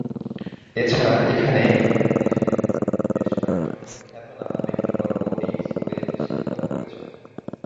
এছাড়া এখানে উপমহাদেশের বেশ কয়েকজন খ্যাতনামা ব্যক্তিবর্গ এই স্কুল এ শিক্ষকতা করেছেন।